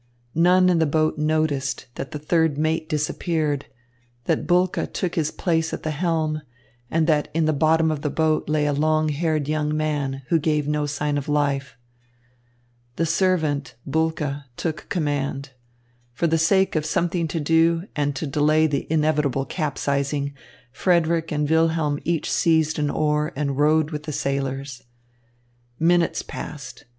None in the boat noticed that the third mate disappeared, that Bulke took his place at the helm, and that in the bottom of the boat lay a long haired young man, who gave no sign of life. The servant, Bulke, took command. For the sake of something to do and to delay the inevitable capsizing, Frederick and Wilhelm each seized an oar and rowed with the sailors. Minutes passed.